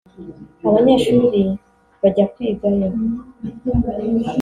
abanyeshuri bajya kwigayo